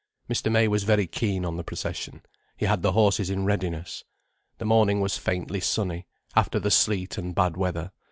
Mr. May was very keen on the procession. He had the horses in readiness. The morning was faintly sunny, after the sleet and bad weather.